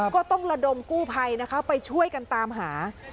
ก็ต้องระดมกู้ภัยนะคะไปช่วยกันตามหา